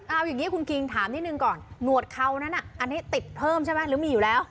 เอาอย่างนี้คุณคิงถามนิดนึงก่อนหนวดเขานั้นอันนี้ติดเพิ่มใช่ไหมหรือมีอยู่แล้ว